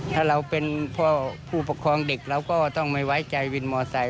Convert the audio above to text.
ถ้าเราเป็นพ่อผู้ปกครองเด็กเราก็ต้องไม่ไว้ใจวินมอไซค